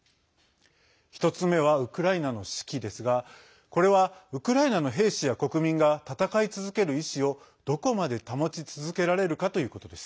１つ目はウクライナの士気ですがこれはウクライナの兵士や国民が戦い続ける意思をどこまで保ち続けられるかということです。